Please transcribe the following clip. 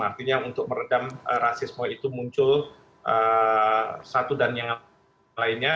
artinya untuk meredam rasisme itu muncul satu dan yang lainnya